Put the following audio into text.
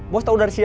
bos tau dari siapa